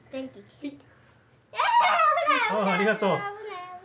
あっありがとう。